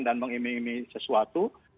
dan mengimimi sesuatu